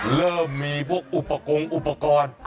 เริ่มมีพวกอุปกรณ์อุปกรณ์